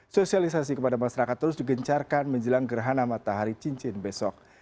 sosialisasi kepada masyarakat terus digencarkan menjelang gerhana matahari cincin besok